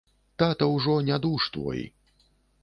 Тата ўжо нядуж твой.